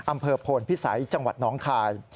อำเภอโพนพิสัยจังหวัดน้องคาย